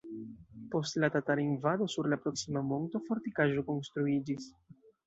Post la tatara invado sur la proksima monto fortikaĵo konstruiĝis.